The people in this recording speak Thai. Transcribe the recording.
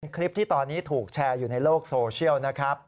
คลิปที่ตอนนี้ถูกแชร์อยู่ในโลกโซเชียลนะครับ